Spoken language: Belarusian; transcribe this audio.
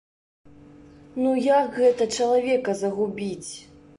Ну, як гэта чалавека загубіць?